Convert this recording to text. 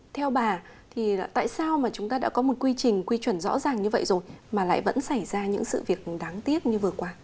theo bà thì tại sao mà chúng ta đã có một quy trình quy chuẩn rõ ràng như vậy rồi mà lại vẫn xảy ra những sự việc đáng tiếc như vừa qua